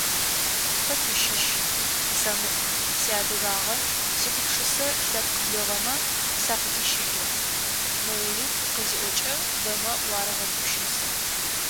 «Хэт ущыщ? къысэмыӀу! Сиадыгагъэ, Сигупшысэ Лъэпкъ лыгъэмэ сакъыхищыжьыгъ…»,- Моулид къызиӏокӏэ, бэмэ уарегъэгупшысэ.